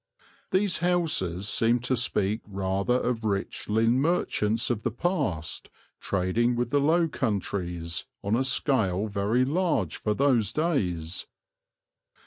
These houses seem to speak rather of rich Lynn merchants of the past, trading with the Low Countries on a scale very large for those days.